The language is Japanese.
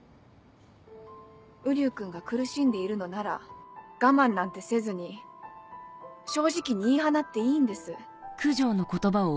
瓜生君が苦しんでいるのなら我慢なんてせずに正直に言い放っていいんです